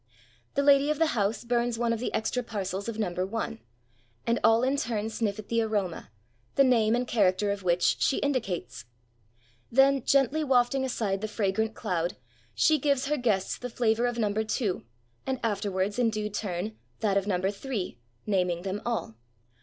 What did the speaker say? The lady of the house burns one of the extra parcels of number one, and all in turn sniff at the aroma, the 410 AN INCENSE PARTY name and character of which she indicates. Then, gently wafting aside the fragrant cloud, she gives her guests the flavor of number two, and afterwards, in due turn, that of number three, naming them all.